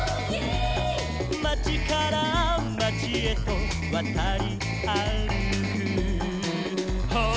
「まちからまちへとわたりあるく」「」